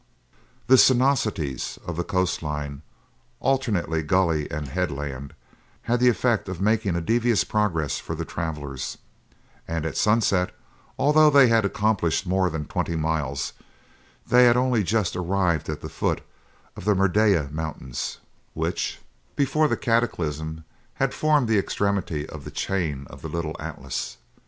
The sinuosities of the coast line, alternately gully and headland, had the effect of making a devious progress for the travelers, and at sunset, although they had accomplished more than twenty miles, they had only just arrived at the foot of the Merdeyah Mountains, which, before the cataclysm, had formed the extremity of the chain of the Little Atlas.